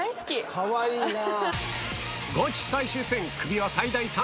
かわいいなぁ。